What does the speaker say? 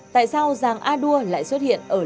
tại sao giàng a đua lại xuất hiện ở lòng nguyên